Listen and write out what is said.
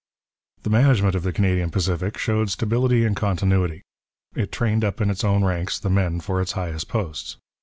The management of the Canadian Pacific showed stability and continuity. It trained up in its own ranks the men for its highest posts.